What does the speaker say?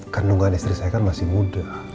kandungan istri saya kan masih muda